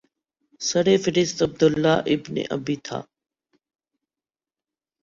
سر فہرست Abdullah ibn Ubayy تھا